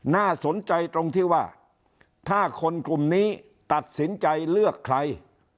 น่าสนใจตรงที่ว่าถ้าคนกลุ่มนี้ตัดสินใจเลือกใคร